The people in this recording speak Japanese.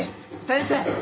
先生！